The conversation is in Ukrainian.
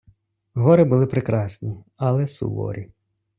Гори були прекрасні, але суворі.